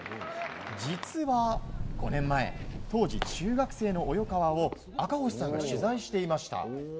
実は５年前当時、中学生の及川を赤星さんが取材していました。